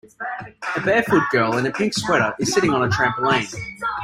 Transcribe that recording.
A barefoot girl in a pink sweater is sitting on a trampoline.